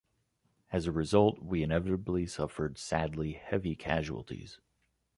As a result, we inevitably suffered sadly heavy casualties.